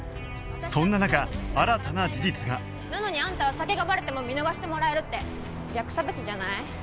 そんな中新たな事実がなのにあんたは酒がバレても見逃してもらえるって逆差別じゃない？